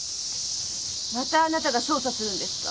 またあなたが捜査するんですか？